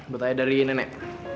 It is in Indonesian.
buat ayah dari nenek